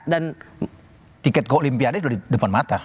dan tiket ke olimpiade sudah di depan mata